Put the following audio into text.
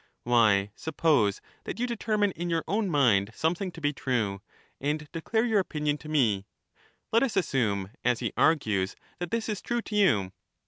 Why, suppose that you determine in your own mind something to be true, and declare your opinion to me ; let us assume, as he argues, that this is true to you.